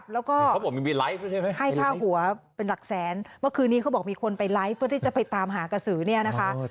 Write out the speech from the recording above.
แล้วก็ให้ข้าวหัวเป็นหลักแสนเมื่อคืนนี้เขาบอกมีคนไปไลฟ์เพื่อที่จะไปตามหากระสือเนี่ยนะคะ